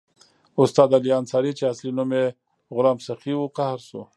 استاد علي انصاري چې اصلي نوم یې غلام سخي وو قهر شو.